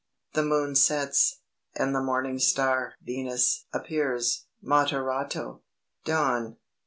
The moon sets, and the morning star (Venus) appears (Moderato). Dawn.